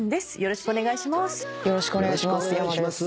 よろしくお願いします。